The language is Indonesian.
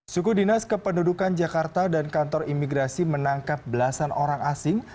suku dinas kependudukan jakarta dan kantor imigrasi menangkap belasan orang asing